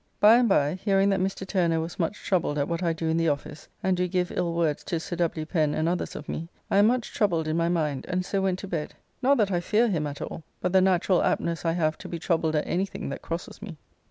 By and by, hearing that Mr. Turner was much troubled at what I do in the office, and do give ill words to Sir W. Pen and others of me, I am much troubled in my mind, and so went to bed; not that I fear him at all, but the natural aptness I have to be troubled at any thing that crosses me.